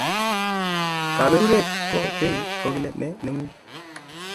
Kaberuret ko peei kogilet ne ngun